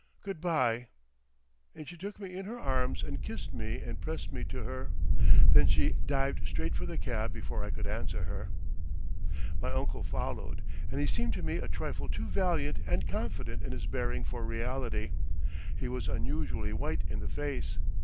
Good bye!" And she took me in her arms and kissed me and pressed me to her. Then she dived straight for the cab before I could answer her. My uncle followed, and he seemed to me a trifle too valiant and confident in his bearing for reality. He was unusually white in the face.